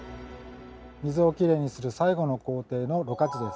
水をきれいにする最後の工程の「ろ過池」です。